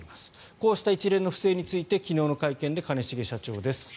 こうした一連の不正について昨日の会見で兼重社長です。